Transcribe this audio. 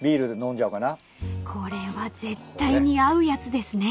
［これは絶対に合うやつですね］